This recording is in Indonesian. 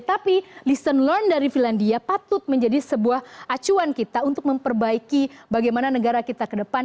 tapi listen lorn dari finlandia patut menjadi sebuah acuan kita untuk memperbaiki bagaimana negara kita ke depan